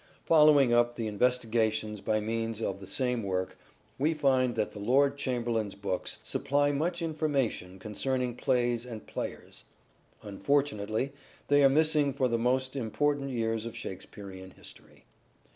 Following up the investigations by means of the The Lord same work, we find that the Lord Chamberlain's Chamber lains books. books " supply much information concerning plays and players. Unfortunately they are missing for the most important years of Shakespearean history."